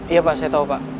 iya pak saya tahu pak